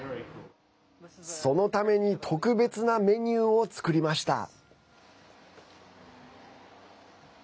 そのために特別なメニューを作りました。